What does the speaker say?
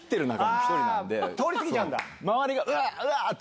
周りがうわ！って